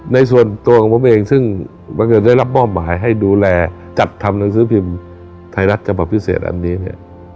ในส่วนตัวของผมเองซึ่งบังเอิญได้รับมอบหมายให้ดูแลจัดทำหนังสือพิมพ์ไทยรัฐฉบับพิเศษอันนี้เนี่ย